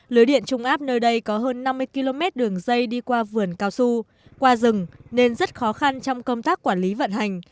lưới điện trung áp nơi đây có hơn năm mươi km đường dây đi qua vườn cao su qua rừng nên rất khó khăn trong công tác quản lý vận hành